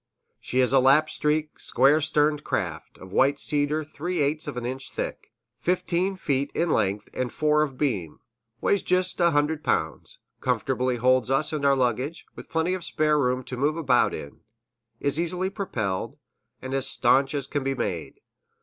She is a lap streak, square sterned craft, of white cedar three eighths of an inch thick; fifteen feet in length and four of beam; weighs just a hundred pounds; comfortably holds us and our luggage, with plenty of spare room to move about in; is easily propelled, and as stanch as can be made.